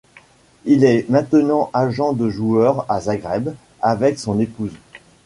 Il est maintenant agent de joueurs à Zagreb avec son épouse.